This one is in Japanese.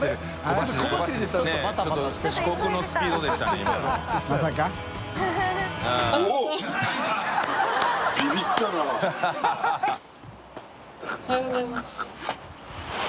松原Ｄ）おはようございます。